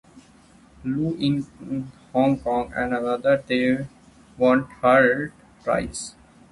Loo in Hong Kong, and together they won third prize.